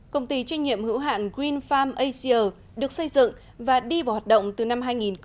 công ty trách nhiệm hữu hạn green farm asia được xây dựng và đi vào hoạt động từ năm hai nghìn một mươi